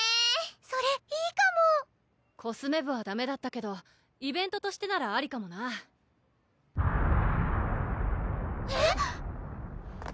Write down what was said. それいいかもコスメ部はダメだったけどイベントとしてならありかもな・・えっ？